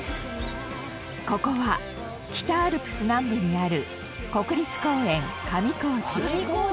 ここは北アルプス南部にある国立公園上高地。